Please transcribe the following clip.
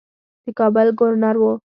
د کابل ګورنر وو.